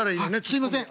すいません。